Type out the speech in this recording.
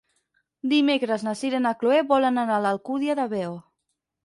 Dimecres na Sira i na Chloé volen anar a l'Alcúdia de Veo.